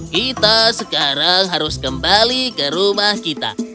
kita sekarang harus kembali ke rumah kita